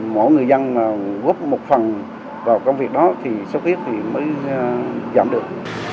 mỗi người dân góp một phần vào công việc đó thì xuất huyết thì mới giảm được